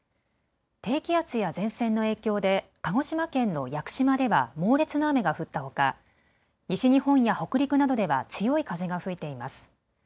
低気圧や前線の影響で鹿児島県の屋久島では猛烈な雨が降ったほか西日本や北陸などでは強い風が吹いています。